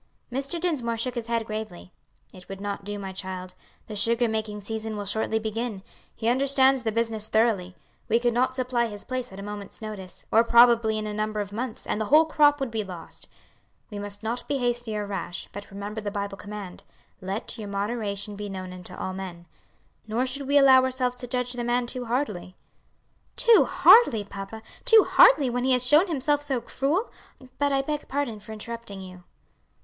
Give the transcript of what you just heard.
Mr. Dinsmore shook his head gravely. "It would not do, my child. The sugar making season will shortly begin; he understands the business thoroughly; we could not supply his place at a moment's notice, or probably in a number of months, and the whole crop would be lost. We must not be hasty or rash, but remember the Bible command, 'Let your moderation be known unto all men.' Nor should we allow ourselves to judge the man too hardly." "Too hardly, papa! too hardly, when he has shown himself so cruel! But I beg pardon for interrupting you."